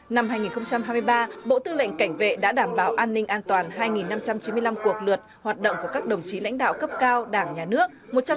năm hai nghìn hai mươi ba bộ tư lệnh cảnh vệ đã đảm bảo an ninh an toàn hai năm trăm chín mươi năm cuộc lượt hoạt động của các đồng chí lãnh đạo cấp cao đảng nhà nước